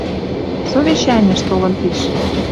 Совещӓньӹш толын тиш.